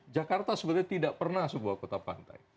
jakarta sebenarnya tidak pernah sebuah kota pantai